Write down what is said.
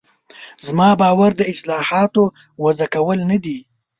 زما باور د اصطلاحاتو وضع کول نه دي.